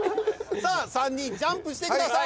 さあ３人ジャンプして下さい。